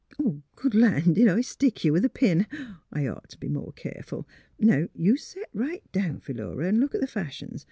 ... Good land! did I stick you with a pin ? I 'd ought t ' be more keerf ul. Now you set right down, Philura, an' look at the fashions.